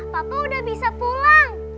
papa udah bisa pulang